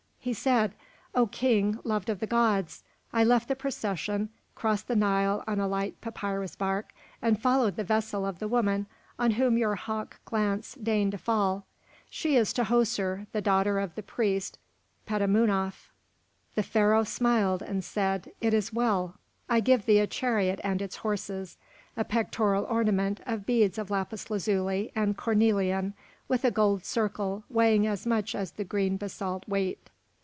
He said: "O King, loved of the gods! I left the procession, crossed the Nile on a light papyrus bark and followed the vessel of the woman on whom your hawk glance deigned to fall. She is Tahoser, the daughter of the priest Petamounoph." The Pharaoh smiled and said: "It is well. I give thee a chariot and its horses, a pectoral ornament of beads of lapis lazuli and cornelian, with a golden circle weighing as much as the green basalt weight."